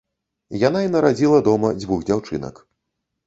Яна і нарадзіла дома дзвюх дзяўчынак.